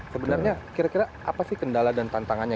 sebenarnya kira kira apa sih kendala dan tantangannya